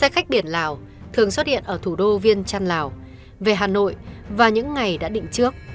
khách biển lào thường xuất hiện ở thủ đô viên trăn lào về hà nội và những ngày đã định trước